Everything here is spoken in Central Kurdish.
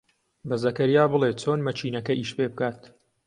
بە زەکەریا بڵێ چۆن مەکینەکە ئیش پێ بکات.